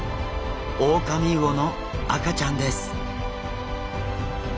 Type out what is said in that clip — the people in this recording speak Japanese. オオカミウオの赤ちゃんです。